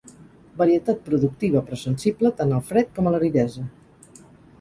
Varietat productiva però sensible tant al fred com a l'aridesa.